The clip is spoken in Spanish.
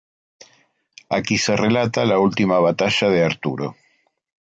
Aquí se relata la última batalla de Arturo.